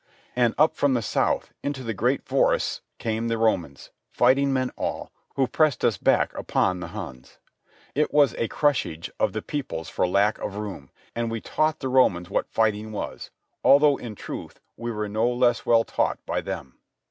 And up from the south into the great forests came the Romans, fighting men all, who pressed us back upon the Huns. It was a crushage of the peoples for lack of room; and we taught the Romans what fighting was, although in truth we were no less well taught by them.